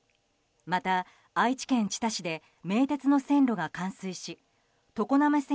また、愛知県知多市で名鉄の線路が冠水し常滑線